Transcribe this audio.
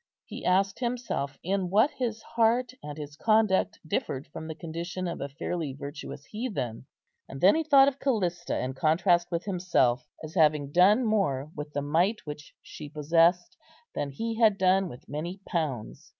He asked himself in what his heart and his conduct differed from the condition of a fairly virtuous heathen. And then he thought of Callista in contrast with himself, as having done more with the mite which she possessed than he had done with many pounds.